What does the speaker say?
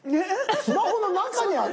スマホの中にある？